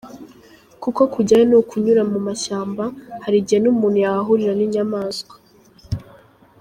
Kuko kujyayo ni ukunyura mu mashyamba, hari igihe n’umuntu yahahurira n’inyamaswa.